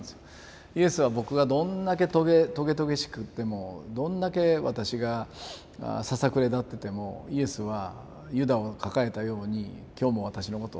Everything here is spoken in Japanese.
イエスは僕がどんだけとげとげしく言ってもどんだけ私がささくれ立っててもイエスはユダを抱えたように今日も私のことを抱きかかえてる。